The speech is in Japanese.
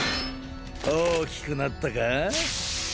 大きくなったか。